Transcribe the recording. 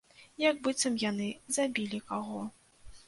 Як быццам яны забілі каго.